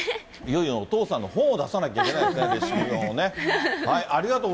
いよいよお父さんの本を出さなきゃいけないですね、レシピ本をね。